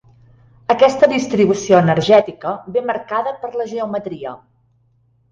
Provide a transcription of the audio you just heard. Aquesta distribució energètica ve marcada per la geometria.